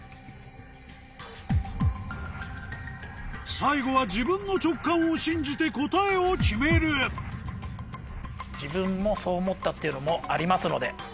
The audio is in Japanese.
最後は自分の直感を信じて答えを決める自分もそう思ったっていうのもありますので。